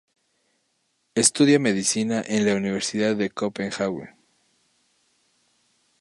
Estudia medicina en la Universidad de Copenhague.